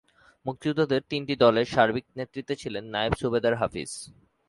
মুক্তিযোদ্ধাদের তিনটি দলের সার্বিক নেতৃত্বে ছিলেন নায়েব সুবেদার হাফিজ।